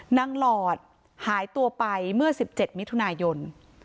หลอดหายตัวไปเมื่อ๑๗มิถุนายน